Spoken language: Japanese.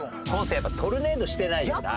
生やっぱトルネードしてないよな。